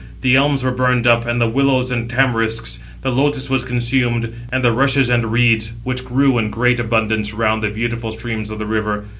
The elms were burned up, and the willows and tamarisks; the lotus was consumed, and the rushes and reeds, which grew in great abundance round the beautiful streams of the river.